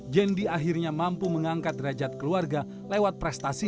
jendi akhirnya mampu mengangkat derajat keluarga lewat prestasi